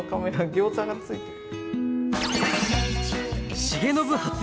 ギョーザがついてる。